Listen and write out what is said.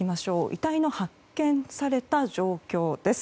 遺体が発見された状況です。